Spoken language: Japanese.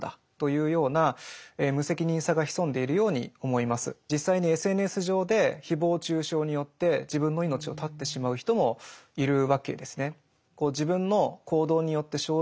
例えば実際にＳＮＳ上でひぼう中傷によって自分の命を絶ってしまう人もいるわけですね。